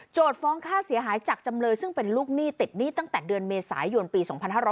ฟ้องค่าเสียหายจากจำเลยซึ่งเป็นลูกหนี้ติดหนี้ตั้งแต่เดือนเมษายนปี๒๕๕๙